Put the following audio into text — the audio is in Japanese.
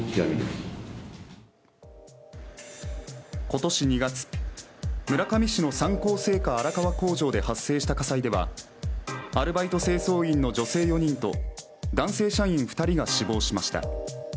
今年２月、村上市の三幸製菓荒川工場で発生した火災ではアルバイト清掃員の女性４人と男性社員２人が死亡しました。